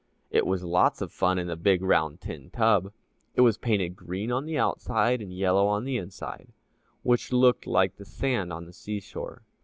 It was lots of fun in the big round tin tub. It was painted green on the outside and yellow on the inside, which looked just like the sand on the seashore.